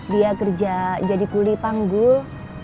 dia kerja jadi kuli panggul